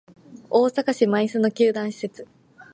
大阪市・舞洲の球団施設